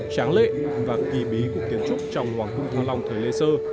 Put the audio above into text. tráng lệ và kỳ bí của kiến trúc trong hoàng cung thăng long thời lê sơ